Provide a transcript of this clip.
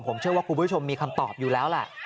ผมเชื่อว่าคุณผู้ชมมีคำตอบอยู่แล้วแหละ